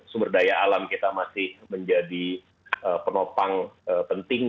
sumber daya alam kita masih menjadi penopang penting